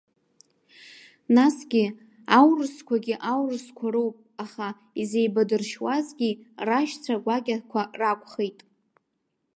Насгьы, аурысқәагьы аурысқәа роуп, аха изеибадыршьуазгьы рашьцәа гәакьақәа ракәхеит.